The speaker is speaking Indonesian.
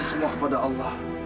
serahkan semua kepada allah